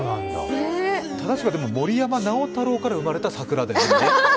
正しくは森山直太朗から生まれたサクラだよね。